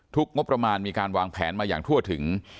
งบประมาณมีการวางแผนมาอย่างทั่วถึง